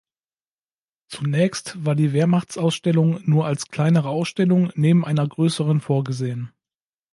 Zunächst war die „Wehrmachtsausstellung“ nur als kleinere Ausstellung neben einer größeren vorgesehen.